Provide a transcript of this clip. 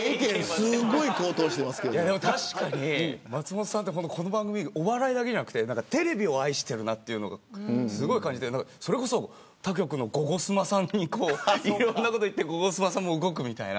確かに松本さんこの番組、お笑いだけじゃなくてテレビを愛しているのがすごく感じて他局のゴゴスマさんにいろんなことを言ってゴゴスマさんも動くみたいな。